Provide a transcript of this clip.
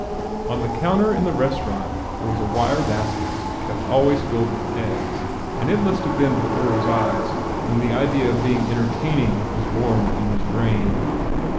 On the counter in the restaurant there was a wire basket kept always filled with eggs, and it must have been before his eyes when the idea of being entertaining was born in his brain.